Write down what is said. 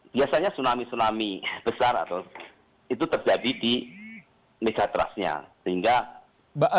biasanya tsunami tsunami besar itu terjadi di megatrasnya